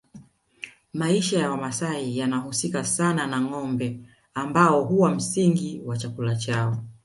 Maisha ya Wamasai yanahusika sana na ngombe ambao huwa msingi wa chakula chao